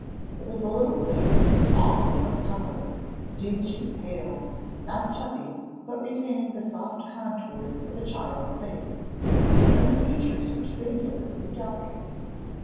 It was a little face all of one color, dingy pale, not chubby, but retaining the soft contours of a child's face, and the features were singularly delicate.